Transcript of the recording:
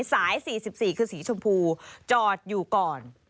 สาย๔๔คือสีชมพูจอดอยู่ก่อน